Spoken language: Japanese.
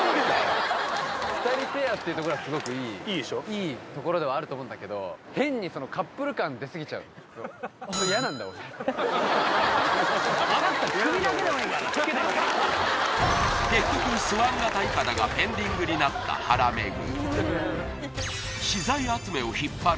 いいところではあると思うけど変につけてくれ結局スワン型イカダがペンディングになったはらめぐ